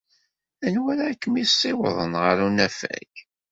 Anwa ara kem-yessiwḍen ɣer unafag?